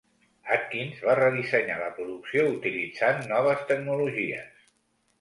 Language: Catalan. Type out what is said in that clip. Atkins va redissenyar la producció utilitzant noves tecnologies.